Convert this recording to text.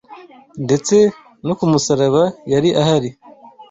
ndetse no ku musaraba yari ahari